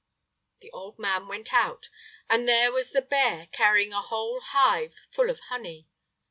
The old man went out, and there was the bear carrying a whole hive full of honey.